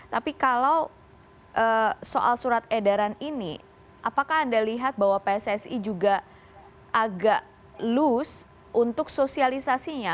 tapi kalau soal surat edaran ini apakah anda lihat bahwa pssi juga agak loose untuk sosialisasinya